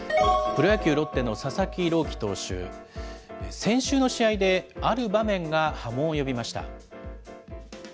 プロ野球・ロッテの佐々木朗希投手、先週の試合である場面が波紋を呼びました。